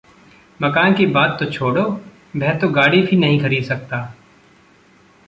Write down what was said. मकान की बात तो छोड़ो वह तो गाड़ी भी नहीं ख़रीद सकता।